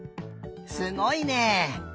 すごいね。